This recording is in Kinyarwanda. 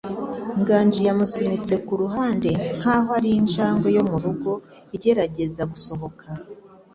Nganji yamusunitse ku ruhande nkaho ari injangwe yo mu rugo igerageza gusohoka.